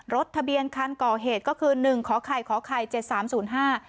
รถทะเบียนคันก่อเหตุก็คือหนึ่งขอไข่ขอไข่เจ็ดสามศูนย์ห้า